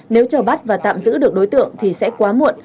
nếu chờ bắt và tạm giữ được đối tượng thì sẽ quá muộn